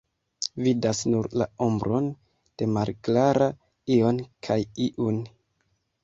Vidas nur la ombron de malklara ion kaj iun.